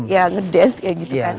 ya ngedes kayak gitu kan